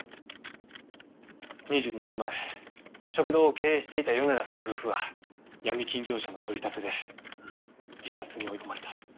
２２年前食堂を経営していた米田さん夫婦はヤミ金業者の取り立てで自殺に追い込まれた。